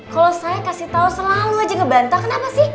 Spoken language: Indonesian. kalau saya kasih tau selalu aja ngebantau kenapa sih